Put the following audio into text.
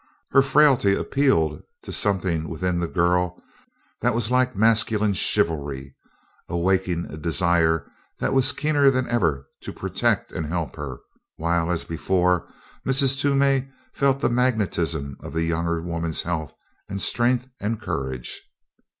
Her frailty appealed to something within the girl that was like masculine chivalry, awakening a desire that was keener than ever to protect and help her, while, as before, Mrs. Toomey felt the magnetism of the younger woman's health and strength and courage.